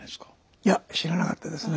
いや知らなかったですね。